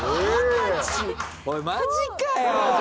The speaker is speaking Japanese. おいマジかよ！